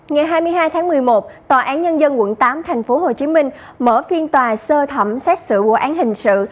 ngày hai mươi hai tháng một mươi một tòa án nhân dân quận tám tp hcm mở phiên tòa sơ thẩm xét xử vụ án hình sự